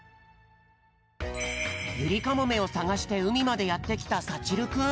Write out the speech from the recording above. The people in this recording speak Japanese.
ユリカモメをさがしてうみまでやってきたさちるくん。